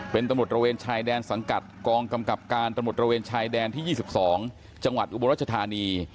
เป็นตำรวจระเวนชายแดนสังกัดกองกำกับการตำรวจระเวนชายแดนที่๒๒จังหวัดอุบลรัชธานี